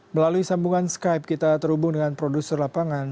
melalui sambungan skype kita terhubung dengan produser lapangan